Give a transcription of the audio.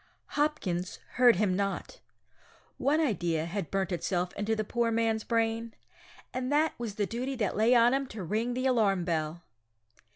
Hopkins heard him not. One idea had burnt itself into the poor man's brain, and that was the duty that lay on him to ring the alarm bell!